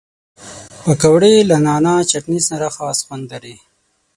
پکورې له نعناع چټني سره خاص خوند لري